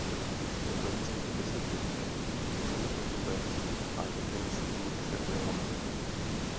Snoubenci v deseti letech zemřel otec a regentství se ujala matka.